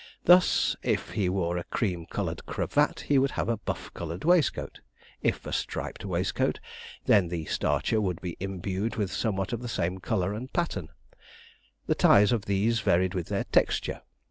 Thus, if he wore a cream coloured cravat, he would have a buff coloured waistcoat, if a striped waistcoat, then the starcher would be imbued with somewhat of the same colour and pattern. The ties of these varied with their texture.